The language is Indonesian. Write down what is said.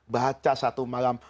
baca satu malam